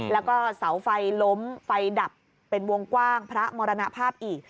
แล้วก็เสาไฟล้มไฟดับเป็นวงกว้างพระมรณภาพอีก